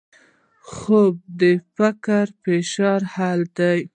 خوب د فکري فشار حل دی